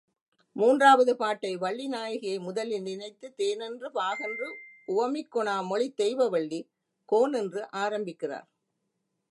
மூன்றாவது பாட்டை வள்ளிநாயகியை முதலில் நினைத்து, தேனென்று பாகென்று உவமிக் கொணா மொழித் தெய்வவள்ளி, கோன் என்று ஆரம்பிக்கிறார்.